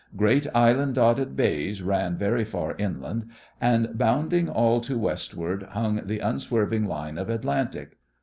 Great island dotted bays ran very far inland, and bounding all to Westward hung the unswerving line of Atlantic.